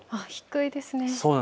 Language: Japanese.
低いですね。